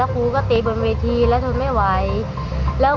กูเตรียมบนเวทีแล้วพูดไม่ไหว